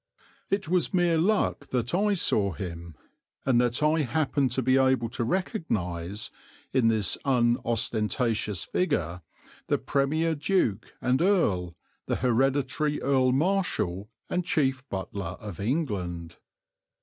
It was mere luck that I saw him, and that I happened to be able to recognize, in this unostentatious figure, the Premier Duke and Earl, the Hereditary Earl Marshal and Chief Butler of England.